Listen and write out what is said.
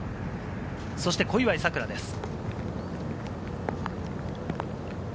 そして小祝さくらです。